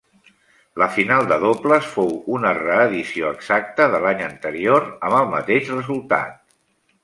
La final de dobles fou una reedició exacta de l'any anterior amb el mateix resultat.